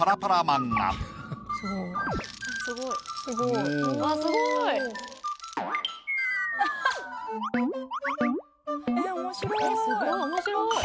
えっすごい面白い。